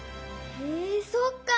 へえそっか！